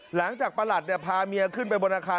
หลังจากประหลัดพาเมียขึ้นไปบนอาคาร